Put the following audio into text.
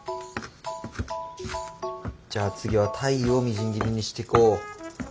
じゃあ次は鯛をみじん切りにしていこう。